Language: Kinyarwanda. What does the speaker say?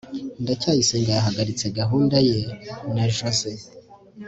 ndacyayisenga yahagaritse gahunda ye na joze